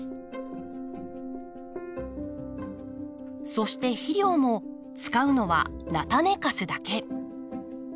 そして肥料も使うのは菜種かすだけ。